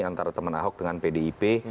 antara teman ahok dengan pdip